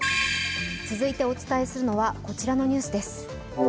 続いてお伝えするのはこちらのニュースです。